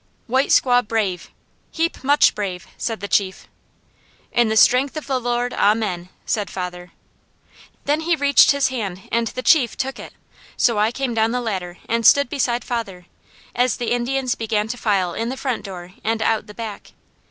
"'White squaw brave! Heap much brave!' said the chief. "'In the strength of the Lord. Amen!' said father. "Then he reached his hand and the chief took it, so I came down the ladder and stood beside father, as the Indians began to file in the front door and out the back.